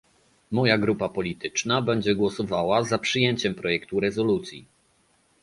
Moja grupa polityczna będzie głosowała za przyjęciem projektu rezolucji